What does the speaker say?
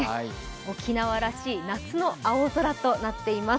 沖縄らしい夏の青空となっています。